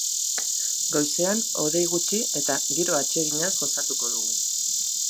Goizean hodei gutxi eta giro atseginaz gozatuko dugu.